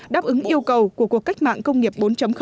đáp ứng yêu cầu của cuộc cách mạng công nghiệp bốn